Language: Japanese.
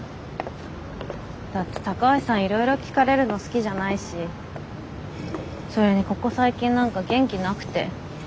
だって高橋さんいろいろ聞かれるの好きじゃないしそれにここ最近何か元気なくて。